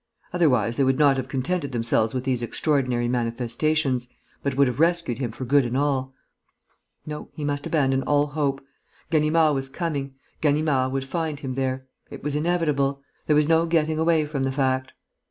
Otherwise they would not have contented themselves with these extraordinary manifestations, but would have rescued him for good and all. No, he must abandon all hope. Ganimard was coming. Ganimard would find him there. It was inevitable. There was no getting away from the fact.